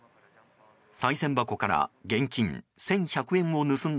さい銭箱から現金１１００円を盗んだ